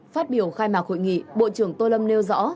phát biểu khai mạc hội nghị bộ trưởng tô lâm nêu rõ